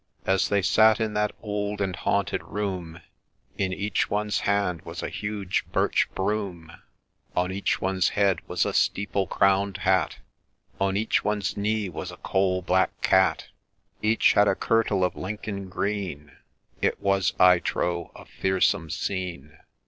As they sat in that old and haunted room, In each one's hand was a huge birch broom, On each one's head was a steeple crown'd hat, On each one's knee was a coal black cat ; Each had a kirtle of Lincoln green — It was, I trow, a fearsome scene.